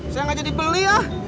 saya nggak jadi beli ya